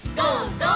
ゴー！」